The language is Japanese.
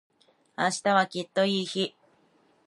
明日はきっといい日